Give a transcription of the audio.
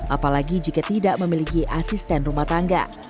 apalagi jika tidak memiliki asisten rumah tangga